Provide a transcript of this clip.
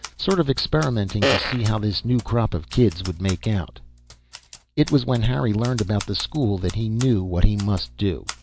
Sort of experimenting to see how this new crop of kids would make out.... It was when Harry learned about the school that he knew what he must do.